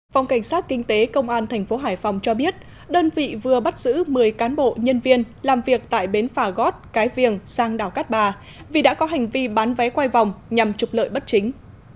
phòng cảnh sát kinh tế công an thành phố hải phòng cho biết đơn vị vừa bắt giữ một mươi cán bộ nhân viên làm việc tại bến phà gót cái viềng sang đảo cát bà vì đã có hành vi bán vé quay vòng nhằm trục lợi bất chính